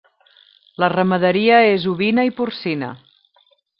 La ramaderia és ovina i porcina.